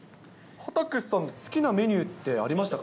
畠さんの好きなメニューってありましたか？